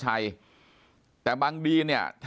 ปากกับภาคภูมิ